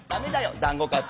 「だんご買って」。